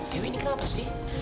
dewi ini kenapa sih